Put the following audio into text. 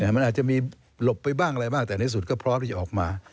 มันอาจจะมีหลบไปบ้างอะไรบ้างแต่ในสุดก็พร้อมที่จะออกมา